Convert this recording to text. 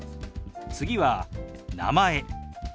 次は「名前」。